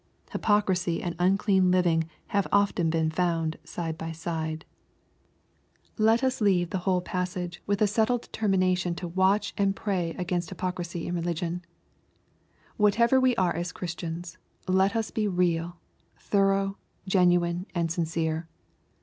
Hypocrisy lean living have often been f iiind side by side. LUKE, CHAP. XL 47 Let us leave the whole passage with a settled deter mination to watch and pray against hypocrisy in religion. Whatever we are as Christians, let us be real, thorough, genuine and sincere.